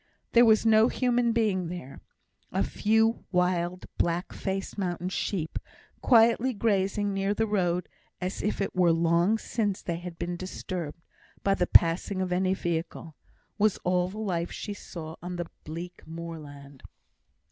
There was no human being there; a few wild, black faced mountain sheep quietly grazing near the road, as if it were long since they had been disturbed by the passing of any vehicle, was all the life she saw on the bleak moorland.